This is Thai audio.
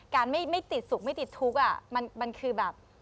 การไม่ติดสุขไม่ติดทุกข์มันคือแบบ